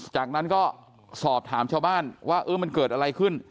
จากนั้นก็สอบถามชาวบ้านว่ามันเกิดอะไรขึ้น